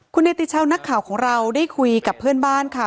คุณเนติชาวนักข่าวของเราได้คุยกับเพื่อนบ้านค่ะ